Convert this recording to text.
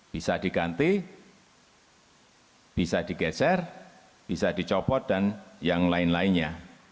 bisa diganti bisa digeser bisa dicopot dan yang lain lainnya